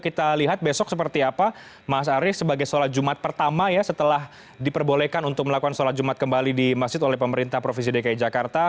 kita lihat besok seperti apa mas arief sebagai sholat jumat pertama ya setelah diperbolehkan untuk melakukan sholat jumat kembali di masjid oleh pemerintah provinsi dki jakarta